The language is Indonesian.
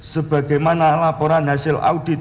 sebagaimana laporan hasil audit